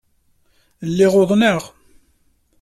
Lliɣ uḍneɣ.